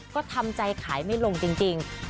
ก็ทำใจขายไม่ลงจริง